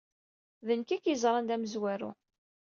D nekk ay k-yeẓran d amezwaru.